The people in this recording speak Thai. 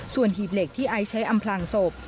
ส่วนหีบเหล็กที่ไอซ์ใช้อำพลางศพ